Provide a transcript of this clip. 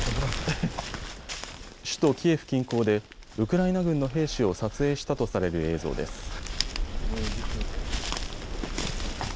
首都キエフ近郊でウクライナ軍の兵士を撮影したとされる映像です。